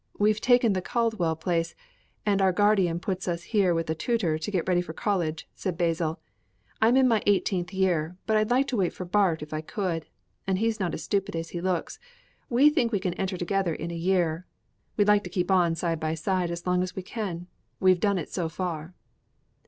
We've taken the Caldwell place, and our guardian put us here with a tutor to get ready for college," said Basil. "I'm in my eighteenth year, but I'd like to wait for Bart if I could. And he's not as stupid as he looks we think we can enter together in a year; we'd like to keep on side by side as long as we can we've done it so far."